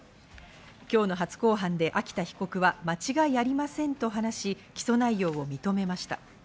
今日の初公判で秋田被告は間違いありませんと話し、起訴内容を認めました。